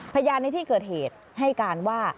พยายามในที่เกิดเหตุให้การว่า